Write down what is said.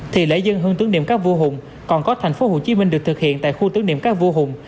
thì lễ dân hương tưởng niệm các vua hùng còn có tp hcm được thực hiện tại khu tưởng niệm các vua hùng